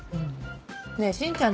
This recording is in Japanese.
ねぇしんちゃん